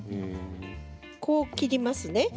こう切りますね。